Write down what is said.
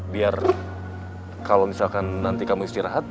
biar kalau misalkan nanti kamu istirahat